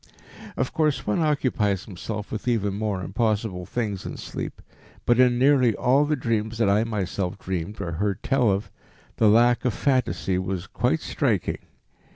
Of course one occupies himself with even more impossible things in sleep, but in nearly all the dreams that I myself dreamed or heard tell of, the lack of phantasy was quite striking.